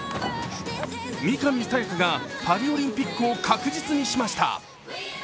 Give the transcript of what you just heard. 三上紗也可がパリオリンピックを確実にしました。